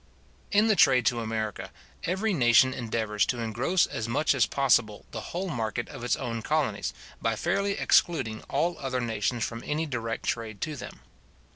In the trade to America, every nation endeavours to engross as much as possible the whole market of its own colonies, by fairly excluding all other nations from any direct trade to them.